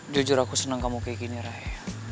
jujur aku seneng kamu kayak gini rai